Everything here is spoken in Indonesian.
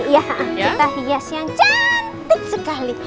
kita hias yang cantik sekali